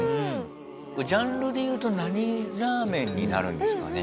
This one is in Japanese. これジャンルでいうと何ラーメンになるんですかね？